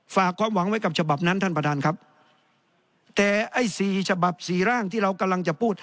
ฝากความหวังไว้กับฉบับนั้นท่านประธานครับแต่ไอ้สี่ฉบับสี่ร่างที่เรากำลังจะพูด